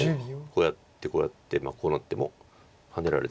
こうやってこうやってこうなってもハネられて。